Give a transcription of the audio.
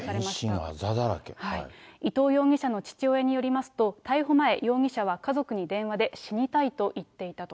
伊藤容疑者の父親によりますと、逮捕前、容疑者は、家族に電話で死にたいと言っていたと。